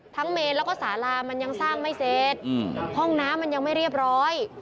เมนแล้วก็สาลามันยังสร้างไม่เสร็จห้องน้ำมันยังไม่เรียบร้อย